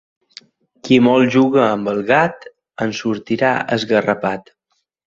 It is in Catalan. Qui molt juga amb el gat, en sortirà esgarrapat.